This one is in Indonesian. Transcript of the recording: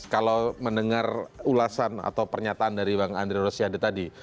kalau mendengar ulasan atau pernyataan dari bang andre rosiade tadi